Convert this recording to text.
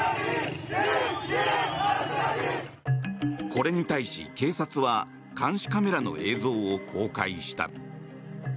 これに対し、警察は監視カメラの映像を公開した。